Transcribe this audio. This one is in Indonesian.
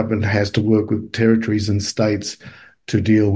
pemerintah ini harus bekerja dengan negara dan negara